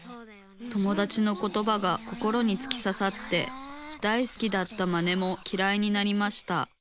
友だちのことばが心につきささって大好きだったマネもきらいになりました。